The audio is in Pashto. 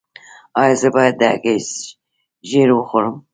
ایا زه باید د هګۍ ژیړ وخورم؟